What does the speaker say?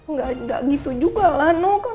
nggak nggak gitu juga lano